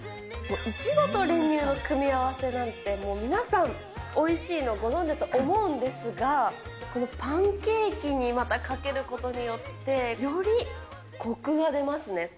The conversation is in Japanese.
もういちごと練乳の組み合わせなんて、もう皆さん、おいしいのご存じと思うんですが、このパンケーキにまたかけることによって、よりこくが出ますね。